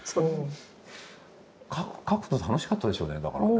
描くの楽しかったでしょうねだからね。